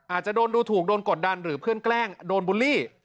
อาจจะโดนดูถูกโดนกดดันหรือเพื่อนแกล้งโดนบูลลี่